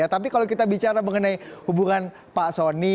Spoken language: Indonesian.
tapi kalau kita bicara mengenai hubungan pak soni